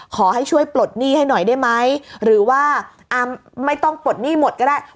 ขอให้ช่วยปลดหนี้ให้หน่อยได้ไหมหรือว่าไม่ต้องปลดหนี้หมดก็ได้